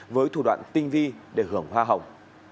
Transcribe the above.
với thủ đoạn tinh vi để hưởng hoa hồng